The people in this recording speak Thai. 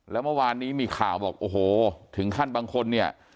แล้วเมื่อวานนี้มีข่าวบอกโอ้โหถึงขั้นบางคนเนี่ย